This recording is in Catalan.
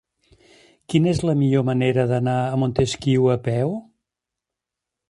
Quina és la millor manera d'anar a Montesquiu a peu?